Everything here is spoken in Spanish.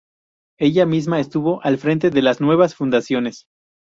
Ella misma estuvo al frente de las nuevas fundaciones.